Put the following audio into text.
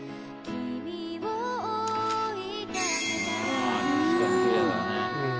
ああ確かにきれいだね。